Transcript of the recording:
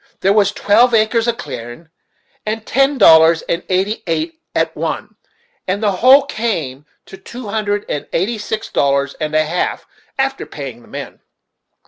There was twelve acres of clearin' at ten dollars, and eighty eight at one, and the whole came to two hundred and eighty six dollars and a half, after paying the men."